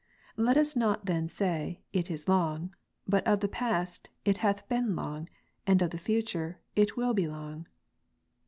Let us not then say, "it is long;" but of the past, "it hath been long ;" and of the future, " it will be long."